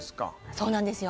そうなんですよ。